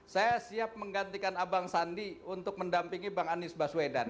saya siap menggantikan abang sandi untuk mendampingi bang anies baswedan